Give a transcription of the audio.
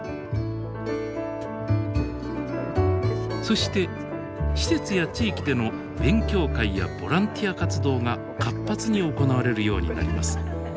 そして施設や地域での勉強会やボランティア活動が活発に行われるようになります。